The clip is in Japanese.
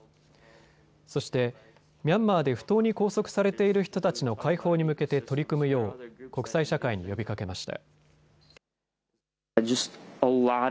そして、ミャンマーで不当に拘束されている人たちの解放に向けて取り組むよう国際社会に呼びかけました。